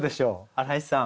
荒井さん